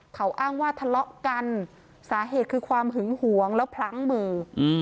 เขาอ้างว่าทะเลาะกันสาเหตุคือความหึงหวงแล้วพลั้งมือ